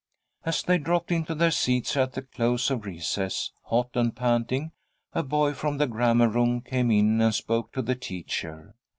As they dropped into their seats at the close of recess, hot and panting, a boy from the grammar room came in and spoke to the teacher.